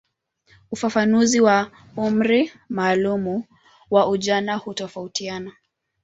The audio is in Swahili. Ufafanuzi wa umri maalumu wa ujana hutofautiana.